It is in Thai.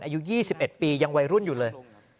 อายุ๒๑ปียังวัยรุ่นอยู่เลย